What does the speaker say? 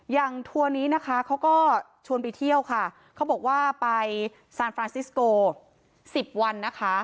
ทัวร์นี้นะคะเขาก็ชวนไปเที่ยวค่ะเขาบอกว่าไปซานฟรานซิสโก๑๐วันนะคะ